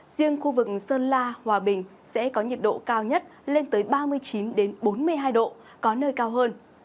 riêng khu vực sơn la hòa bình sẽ có nhiệt độ cao nhất lên tới ba mươi chín bốn mươi hai độ có nơi cao hơn